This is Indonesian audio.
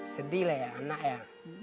sedih lah ya anak ya